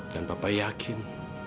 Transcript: dan papa yakin